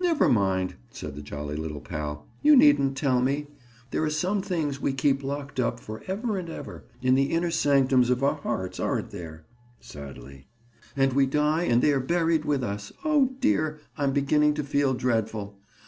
"Never mind," said the jolly little pal. "You needn't tell me. There are some things we keep locked up, forever and ever, in the inner sanctums of our hearts, aren't there?" Sadly. "And we die and they are buried with us. Oh, dear! I'm beginning to feel dreadful.